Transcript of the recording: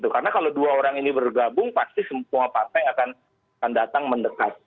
karena kalau dua orang ini bergabung pasti semua partai akan datang mendekat